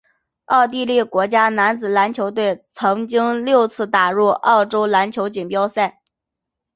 奥地利国家男子篮球队曾经六次打入欧洲篮球锦标赛。